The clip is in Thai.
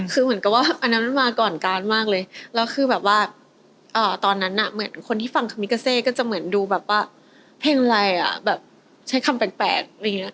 คือเหมือนกับว่าอันนั้นมันมาก่อนการมากเลยแล้วคือแบบว่าตอนนั้นน่ะเหมือนคนที่ฟังคามิกาเซก็จะเหมือนดูแบบว่าเพลงอะไรอ่ะแบบใช้คำแปลกอะไรอย่างเงี้